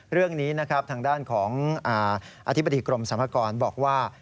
เรื่องนี้นะครับทางด้านของอธิบดีกรมสรรพากรบอกว่า